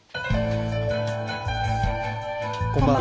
こんばんは。